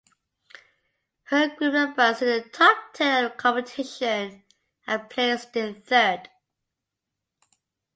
Her group advanced into the top ten of the competition and placed in third.